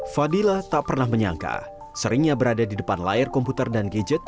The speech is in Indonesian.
fadila tak pernah menyangka seringnya berada di depan layar komputer dan gadget